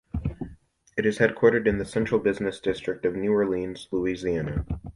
It is headquartered in the Central Business District of New Orleans, Louisiana.